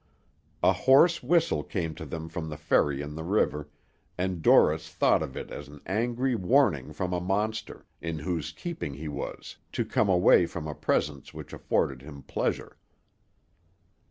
A hoarse whistle came to them from the ferry in the river, and Dorris thought of it as an angry warning from a monster, in whose keeping he was, to come away from a presence which afforded him pleasure.